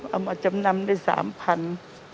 เอามาจำนำได้๓๐๐บาท